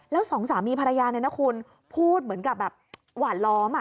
แล้วสองสามีภรรยาเนี่ยนะคุณพูดเหมือนกับแบบหวานล้อม